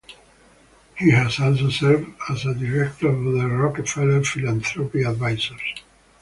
He has also served as a director of the Rockefeller Philanthropy Advisors.